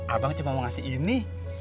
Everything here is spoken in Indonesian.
abang cuma mau ngasih ini